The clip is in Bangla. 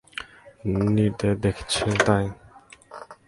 নীরদের দেখছি তাই।